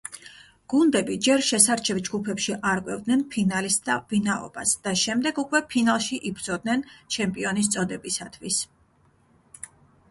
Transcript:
გუნდები ჯერ შესარჩევ ჯგუფებში არკვევდნენ ფინალისტთა ვინაობას და შემდეგ უკვე ფინალში იბრძოდნენ ჩემპიონის წოდებისათვის.